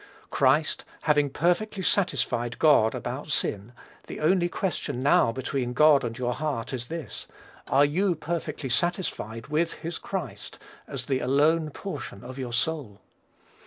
Christ, having perfectly satisfied God about sin, the only question now between God and your heart is this: _Are you perfectly satisfied with his Christ as the alone portion of your soul?